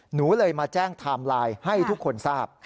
หนูเลยมาแจ้งไทม์ไลน์ให้ทุกคนทราบ